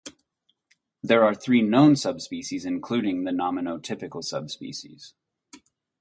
There are three known subspecies including, the nominotypical subspecies.